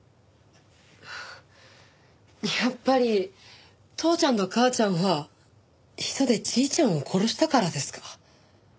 やっぱり父ちゃんと母ちゃんは砒素でじいちゃんを殺したからですか？